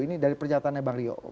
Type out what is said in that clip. ini dari pernyataannya bang rio